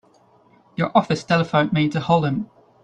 Your office telephoned me to hold him.